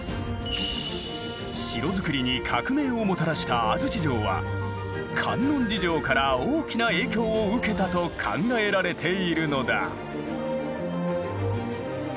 城造りに革命をもたらした安土城は観音寺城から大きな影響を受けたと考えられているのだ。